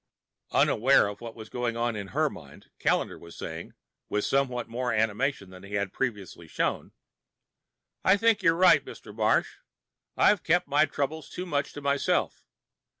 Unaware of what was going on in her mind, Callendar was saying, with somewhat more animation than he had previously shown, "I think you're right, Mr. Marsh. I've kept my troubles too much to myself.